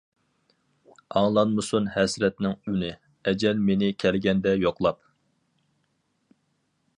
ئاڭلانمىسۇن ھەسرەتنىڭ ئۈنى، ئەجەل مېنى كەلگەندە يوقلاپ.